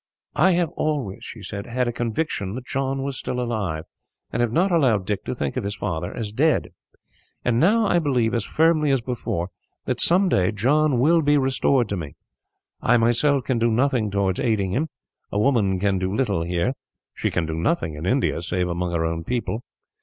"I have always," she said, "had a conviction that John was still alive, and have not allowed Dick to think of his father as dead; and now I believe, as firmly as before, that someday John will be restored to me. I myself can do nothing towards aiding him. A woman can do little, here. She can do nothing in India, save among her own people.